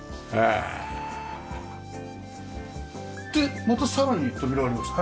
でまたさらに扉ありますね。